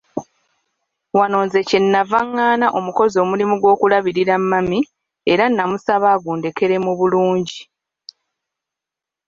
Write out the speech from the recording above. Wano nze kye nnava ngaana omukozi omulimu gw'okulabirira mami era namusaba agundekere mu bulungi.